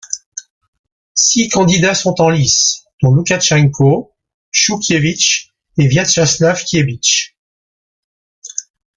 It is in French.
Six candidats sont en lice, dont Loukachenko, Chouchkievitch et Vyatchaslaw Kiebitch.